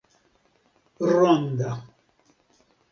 ronda